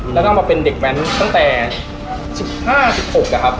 แล้วก็มาเป็นเด็กแว้นตั้งแต่๑๕๑๖อะครับ